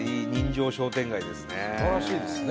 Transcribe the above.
すばらしいですね。